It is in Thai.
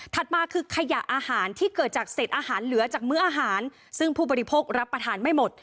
มาคือขยะอาหารที่เกิดจากเศษอาหารเหลือจากมื้ออาหารซึ่งผู้บริโภครับประทานไม่หมด